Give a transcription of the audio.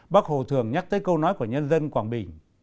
bác hồ thường nhắc tới câu nói của nhân dân quảng bình